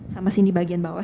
sama sini bagian bawah